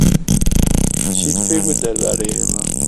چیت پێ گوت دەربارەی ئێمە؟